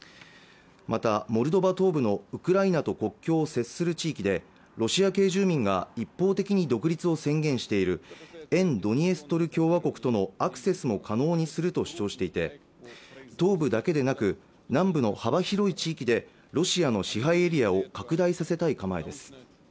またモルドバ東部のウクライナと国境を接する地域でロシア系住民が一方的に独立を宣言している沿ドニエストル共和国とのアクセスも可能にすると主張していて東部だけでなく南部の幅広い地域でロシアの支配エリアを拡大させたい構えです